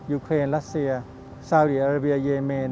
เครนรัสเซียซาเรียอาราเบียเยเมน